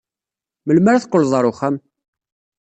Melmi ara teqqled ɣer uxxam?